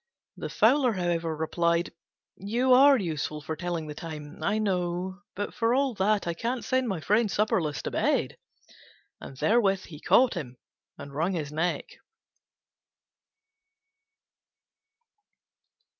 The Fowler, however, replied, "You are useful for telling the time, I know; but, for all that, I can't send my friend supperless to bed." And therewith he caught him and wrung his neck.